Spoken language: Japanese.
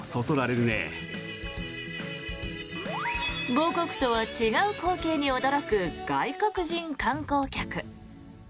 母国とは違う光景に驚く外国人観光客。